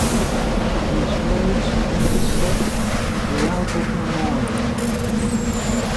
These roads intersect at the Albert Memorial.